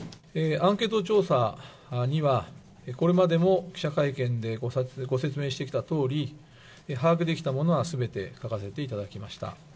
アンケート調査にはこれまでも記者会見でご説明してきたとおり、把握できたものはすべて書かせていただきました。